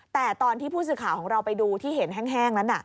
แต่ตอนที่ผู้สื่อข่าวของเราไปดูที่เห็นแห้งนั้น